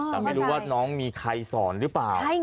แต่ไม่รู้ว่าน้องมีใครสอนหรือเปล่า